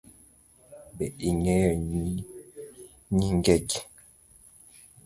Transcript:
Be ing'eyo nyingegi?